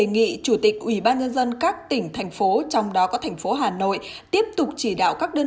nghị chủ tịch ubnd các tỉnh thành phố trong đó có thành phố hà nội tiếp tục chỉ đạo các đơn